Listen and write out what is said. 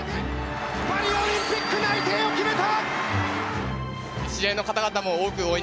パリオリンピック内定を決めた！